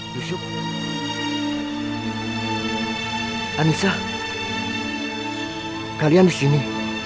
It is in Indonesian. yusuf anissa kalian disini